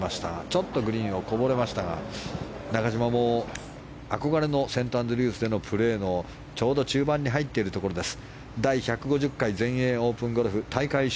ちょっとグリーンをこぼれましたが中島も憧れのセントアンドリュースでのプレーの、ちょうど中盤に入っているところです。